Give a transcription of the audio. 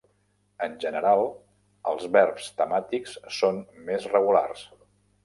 En general, els verbs temàtics són més regulars.